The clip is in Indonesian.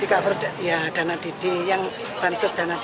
di cover ya dana dd yang bansus dana dd